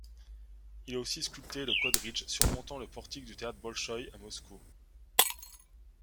Il a aussi sculpté le quadrige surmontant le portique du théâtre Bolchoï à Moscou.